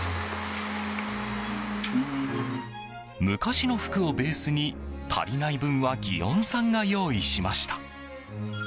昔の服をベースに足りない分は祇園さんが用意しました。